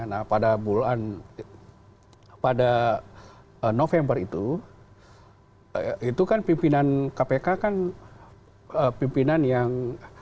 nah pada bulan pada november itu itu kan pimpinan kpk kan pimpinan yang